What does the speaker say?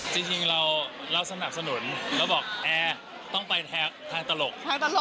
จริงเราสำนักสนุนเราบอกแอร์ต้องไปแท๊กทางตลก